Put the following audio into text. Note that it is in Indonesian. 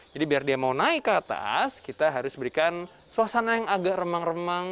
jadi biar dia mau naik ke atas kita harus berikan suasana yang agak remang remang